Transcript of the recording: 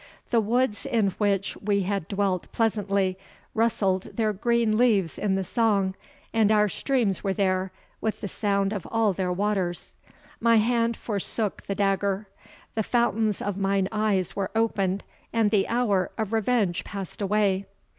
The woods in which we had dwelt pleasantly, rustled their green leaves in the song, and our streams were there with the sound of all their waters. My hand forsook the dagger; the fountains of mine eyes were opened, and the hour of revenge passed away.